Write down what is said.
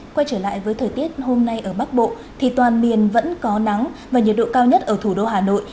quay trở lại với thời tiết hôm nay ở bắc bộ thì toàn miền vẫn có nắng và nhiệt độ cao nhất ở thủ đô hà nội